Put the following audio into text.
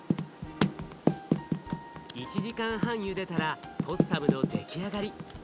１時間半ゆでたらポッサムの出来上がり。